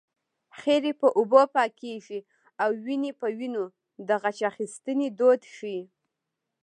خیرې په اوبو پاکېږي او وينې په وينو د غچ اخیستنې دود ښيي